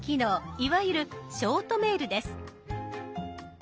いわゆるショートメールです。